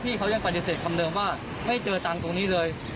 เขายังปฏิเสธคำเดิมว่าไม่เจอตังค์ตรงนี้เลย